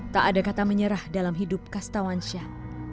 tak ada kata menyerah dalam hidup kastawansyah